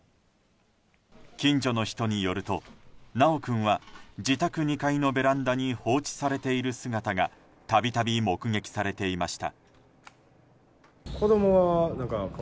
近所の人によると、修君は自宅２階のベランダに放置されている姿が度々目撃されていました。